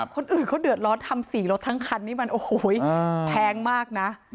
คนอื่นเขาเดือดร้อนทำ๔รถทั้งคันนี้มันโอ้โหแพงมากนะ